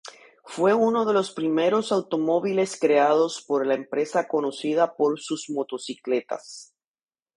Fue uno de los primeros automóviles creados por la empresa conocida por su motocicletas.